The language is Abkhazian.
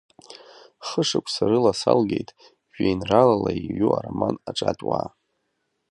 Хышықәса рыла салгеит жәеинраалала иҩу ароман Аҿатә уаа.